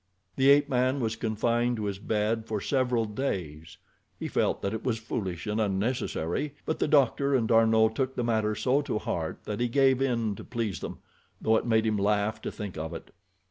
The ape man was confined to his bed for several days. He felt that it was foolish and unnecessary, but the doctor and D'Arnot took the matter so to heart that he gave in to please them, though it made him laugh to think of it.